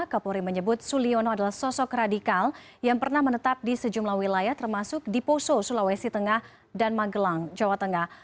kapolri menyebut suliono adalah sosok radikal yang pernah menetap di sejumlah wilayah termasuk di poso sulawesi tengah dan magelang jawa tengah